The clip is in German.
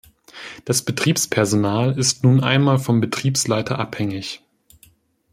Das Betriebspersonal ist nun einmal vom Betriebsleiter abhängig.